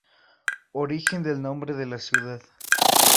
Origen del nombre de la ciudad.